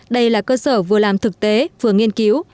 đây là cơ sở vừa làm thực tế vừa nghiên cứu